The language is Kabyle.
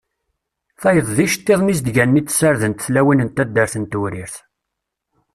Tayeḍ d iceṭṭiḍen izeddganen i d-ssardent tlawin n taddart n Tewrirt.